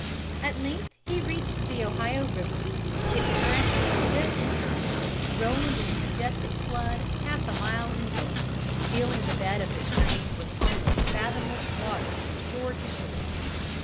At length he reached the Ohio river. Its current was swift and turbid, rolling in a majestic flood half a mile in width, filling the bed of the stream with almost fathomless waters from shore to shore.